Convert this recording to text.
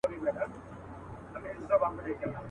په دنیا کي « اول ځان پسې جهان دی ».